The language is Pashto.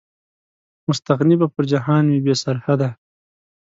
مستغني به پر جهان وي، بې سرحده